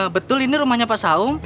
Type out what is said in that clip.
betul ini rumahnya pak saung